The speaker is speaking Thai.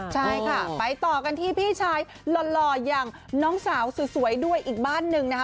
ใช่ค่ะไปต่อกันที่พี่ชายหล่ออย่างน้องสาวสวยด้วยอีกบ้านหนึ่งนะคะ